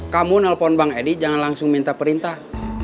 kamu nelpon bang edi jangan langsung minta perintah